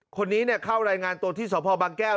คนนี้เข้ารายงานตัวที่สพบางแก้ว